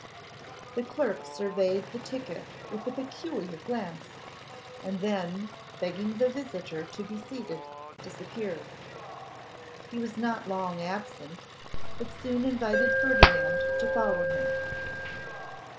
The clerk surveyed the ticket with a peculiar glance; and then, begging the visitor to be seated, disappeared. He was not long absent, but soon invited Ferdinand to follow him.